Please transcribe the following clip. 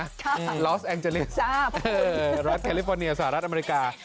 ลอสแองเจลิสรัฐแคลิฟอร์เนียสหรัฐอเมริกา